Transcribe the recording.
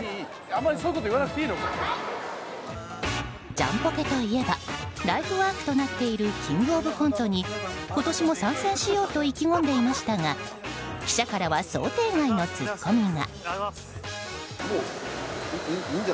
ジャンポケといえばライフワークとなっている「キングオブコント」に今年も参戦しようと意気込んでいましたが記者からは想定外のツッコミが。